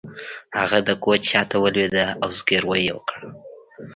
هغه د کوچ شاته ولویده او زګیروی یې وکړ